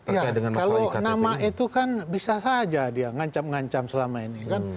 ya kalau nama itu kan bisa saja dia ngancam ngancam selama ini kan